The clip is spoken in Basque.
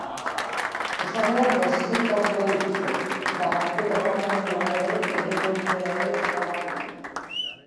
Ur-sareak desinfektatuko dituzte eta garbiketa tratamendu bat ere egingo dutela ere iragarri dute.